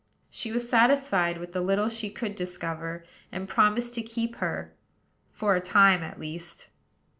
She was satisfied with the little she could discover, and promised to keep her, for a time, at least.